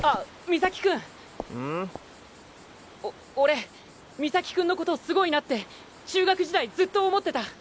お俺岬君のことすごいなって中学時代ずっと思ってた！